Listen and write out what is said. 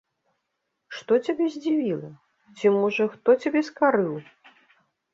Што цябе здзівіла, ці, можа, хто цябе скарыў?